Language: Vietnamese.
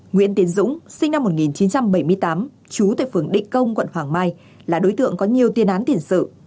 nguyễn tiến dũng sinh năm một nghìn chín trăm bảy mươi tám trú tại phường định công quận hoàng mai là đối tượng có nhiều tiên án tiền sự